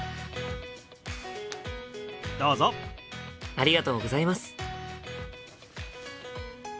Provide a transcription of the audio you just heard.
ありがとうございます。